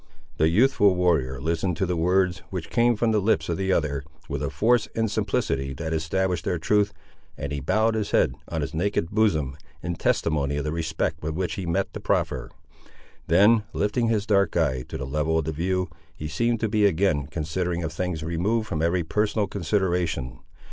The youthful warrior listened to the words, which came from the lips of the other with a force and simplicity that established their truth, and he bowed his head on his naked bosom, in testimony of the respect with which he met the proffer. Then lifting his dark eye to the level of the view, he seemed to be again considering of things removed from every personal consideration.